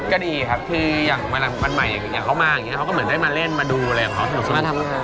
ก็ดีครับคืออย่างวันใหม่อย่างเขามาอย่างนี้เขาก็เหมือนได้มาเล่นมาดูมาทำงาน